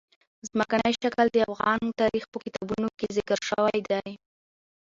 ځمکنی شکل د افغان تاریخ په کتابونو کې ذکر شوي دي.